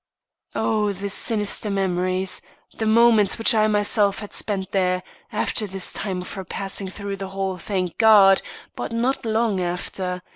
Oh, the sinister memories! The moments which I myself had spent there after this time of her passing through the hall, thank God! but not long after.